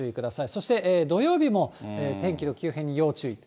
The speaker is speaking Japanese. そして土曜日も天気の急変に要注意。